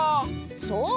そう？